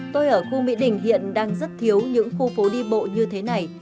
tôi ở khu mỹ đình hiện đang rất thiếu những khu phố đi bộ như thế này